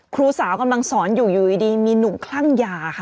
ครูสาวกำลังสอนอยู่อยู่ดีมีหนุ่มคลั่งยาค่ะ